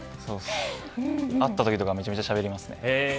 会ったときとかめちゃめちゃしゃべりま